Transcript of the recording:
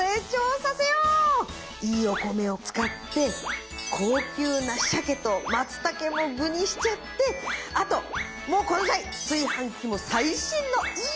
いいお米を使って高級なシャケとマツタケも具にしちゃってあともうこの際炊飯器も最新のいいやつに買い替えよう。